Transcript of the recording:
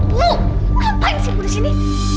blue ngapain sih ibu di sini